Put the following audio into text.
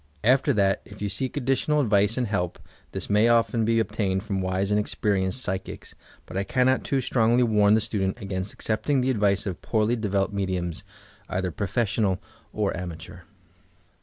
After that, if you seek additional advice and help, this may often be obtained from wise and experienced psychics, but I cannot too strongly warn the student against accepting the advice of poorly developed mediums, either professional or amateur.